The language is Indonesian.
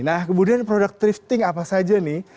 nah kemudian produk thrifting apa saja nih